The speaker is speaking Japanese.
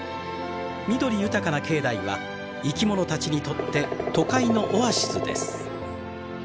緑豊かな境内は生き物たちにとって都会のオアシスです。